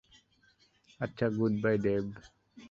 আচ্ছা, goodbye, Dave.